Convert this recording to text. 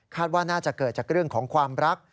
ว่าน่าจะเกิดจากเรื่องของความรัก